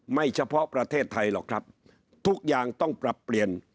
เฉพาะประเทศไทยหรอกครับทุกอย่างต้องปรับเปลี่ยน